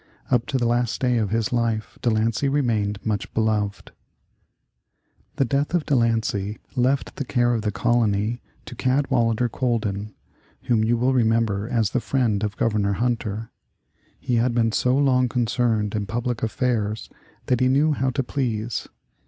Up to the last day of his life De Lancey remained much beloved. [Illustration: Trinity Church, 1760.] The death of De Lancey left the care of the colony to Cadwallader Colden, whom you will remember as the friend of Governor Hunter. He had been so long concerned in public affairs that he knew how to please.